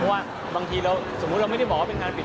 เพราะว่าบางทีเราสมมุติเราไม่ได้บอกว่าเป็นงานปิด